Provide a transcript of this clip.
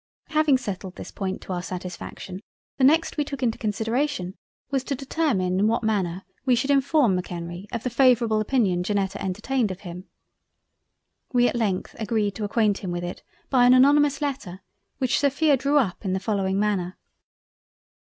Having settled this Point to our satisfaction, the next we took into consideration was, to determine in what manner we should inform M'Kenrie of the favourable Opinion Janetta entertained of him.... We at length agreed to acquaint him with it by an anonymous Letter which Sophia drew up in the following manner.